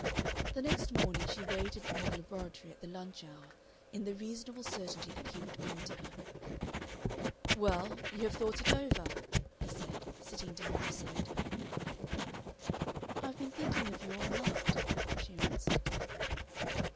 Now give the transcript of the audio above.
Part 5 The next morning she waited in the laboratory at the lunch hour in the reasonable certainty that he would come to her. "Well, you have thought it over?" he said, sitting down beside her. "I've been thinking of you all night," she answered.